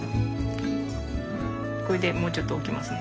これでもうちょっと置きますね。